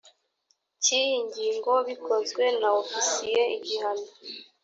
cy iyi ngingo bikozwe na ofisiye igihano